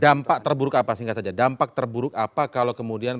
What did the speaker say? dampak terburuk apa singkat saja dampak terburuk apa kalau kemudian